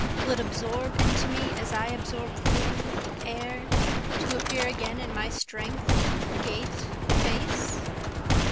Will it absorb into me as I absorb food, air, to appear again in my strength, gait, face?